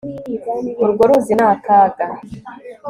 urwo ruzi ni akaga